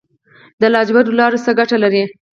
د لاجوردو لاره څه ګټه لري؟